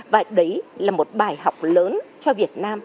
và đấy là một bài học lớn cho việt nam